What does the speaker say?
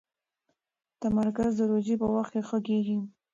تمرکز د روژې په وخت کې ښه کېږي.